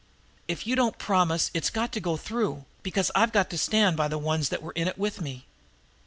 If you don't promise it's got to go through, because I've got to stand by the ones that were in it with me.